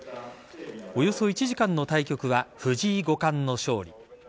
およそ１時間の対局は藤井五冠の勝利。